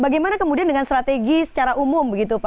bagaimana kemudian dengan strategi secara umum begitu pak